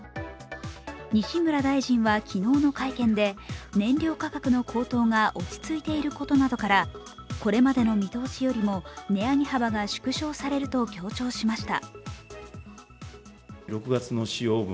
西村大臣は昨日の会見で燃料価格の高騰が落ち着いていることなどからこれまでの見通しよりも値上げ幅が縮小されると強調しました。